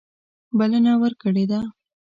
بلنه ورکړې ده.